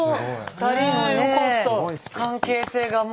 ２人のねえ関係性がもう。